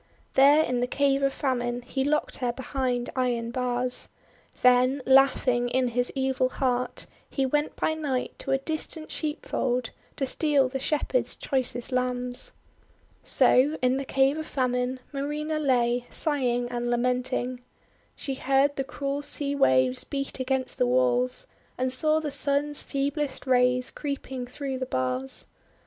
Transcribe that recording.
There in the Cave of Famine he locked her behind iron bars. Then, laughing in his evil heart, he went by night to a distant sheepf old to steal the Shepherds' choicest lambs. So in the Cave of Famine, Marina lay, sighing and lamenting. She heard the cruel sea waves beat against the walls, and saw the Sun's feeblest rays creeping through the bars.